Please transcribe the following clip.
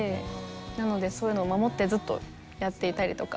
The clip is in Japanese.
なのでそういうのを守ってずっとやっていたりとか。